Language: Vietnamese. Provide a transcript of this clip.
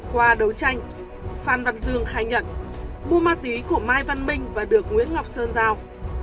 qua đấu tranh phan văn dương khai nhận mua ma túy của mai văn minh và được nguyễn ngọc sơn giao